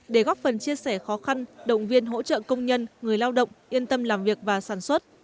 để góp phần chia sẻ khó khăn động viên hỗ trợ công nhân người lao động yên tâm làm việc và sản xuất